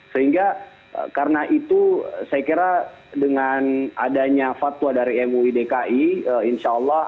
sehingga karena itu saya kira dengan adanya fatwa dari mui dki insya allah